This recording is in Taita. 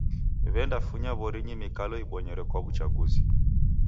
W'endafunya w'orinyi mikalo ibonyero kwa w'uchaguzi.